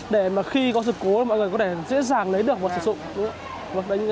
để mà khi có sự cố mọi người có thể dễ dàng lấy được và sử dụng